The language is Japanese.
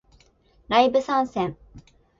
ライブ参戦